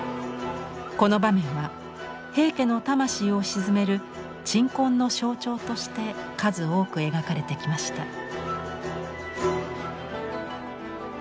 この場面は平家の魂を鎮める鎮魂の象徴として数多く描かれてきました。